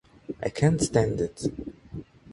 I can't stand it!